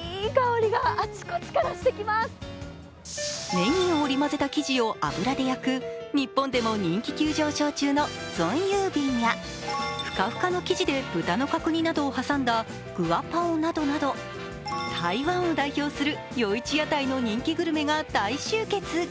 ねぎを織り交ぜた生地を油で焼く日本でも人気急上昇中の葱油餅やふかふかの生地で豚の角煮などを挟んだ割包など台湾を代表する夜市屋台の人気グルメが大集結。